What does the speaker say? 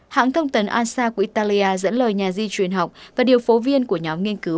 hãng thông tấn ansa của italia dẫn lời nhà di truyền học và điều phối viên của nhóm nghiên cứu